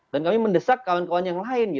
dan kami mendesak kawan kawan yang lain